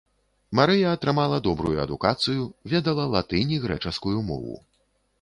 Марыя атрымала добрую адукацыю, ведала латынь і грэчаскую мову.